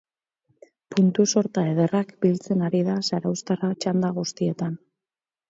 Puntu sorta ederrak biltzen ari da zarauztarra txanda guztietan.